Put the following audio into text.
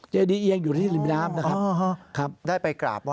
เจดีเอียงอยู่ที่ลิมน้ำนะครับ